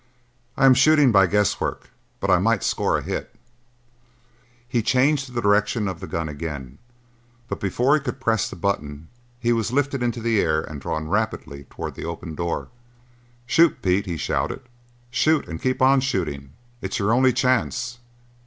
"I am shooting by guess work, but I might score a hit." He changed the direction of the gun again, but before he could press the button he was lifted into the air and drawn rapidly toward the open door. "Shoot, Pete!" he shouted. "Shoot and keep on shooting it's your only chance!"